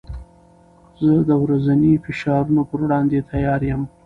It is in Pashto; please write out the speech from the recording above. زه د ورځني فشارونو پر وړاندې تیار یم.